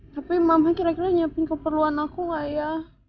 tapi mama kira kira nyiapin keperluan aku gak ya